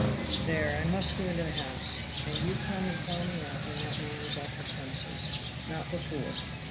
There, I must go into the house, and you come and call me out when that man is off the premises not before."